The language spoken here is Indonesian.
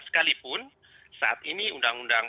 sekalipun saat ini undang undang